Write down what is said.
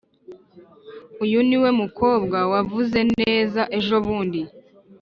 uyu niwe mukobwa wavuze neza ejobundi?